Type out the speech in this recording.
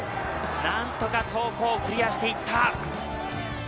何とか桐光、クリアしていった。